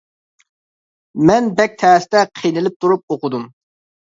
مەن بەك تەستە قىينىلىپ تۇرۇپ ئوقۇدۇم.